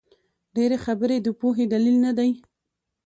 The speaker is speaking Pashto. ډېري خبري د پوهي دلیل نه دئ.